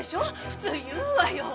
普通言うわよ。